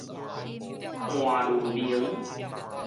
伴侶盟